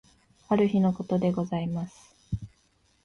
ある日の事でございます。